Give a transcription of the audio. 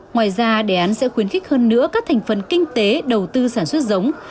ngoài ra đề án sẽ khuyến khích hơn nữa các thành phần kinh tế đầu tư sản xuất giống